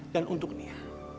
dan untuk nia